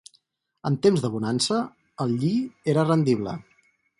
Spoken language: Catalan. En temps de bonança el lli era rendible.